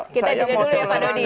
kita jeda dulu ya pak dodi